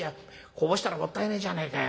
こぼしたらもったいねえじゃねえかよ。